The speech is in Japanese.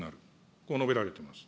こう述べられています。